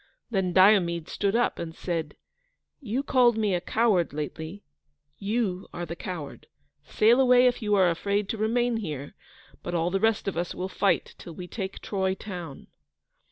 Then Diomede stood up, and said: "You called me a coward lately. You are the coward! Sail away if you are afraid to remain here, but all the rest of us will fight till we take Troy town."